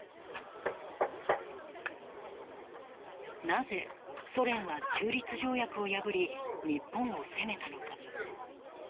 なぜ、ソ連は中立条約を破り日本を攻めたのか。